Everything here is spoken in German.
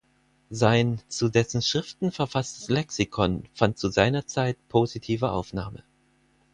Sein zu dessen Schriften verfasstes Lexikon fand zu seiner Zeit positive Aufnahme.